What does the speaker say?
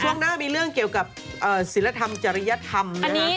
ช่วงหน้ามีเรื่องเกี่ยวกับศิลธรรมจริยธรรมนะฮะ